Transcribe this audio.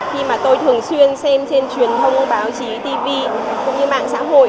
khi mà tôi thường xuyên xem trên truyền thông báo chí tv cũng như mạng xã hội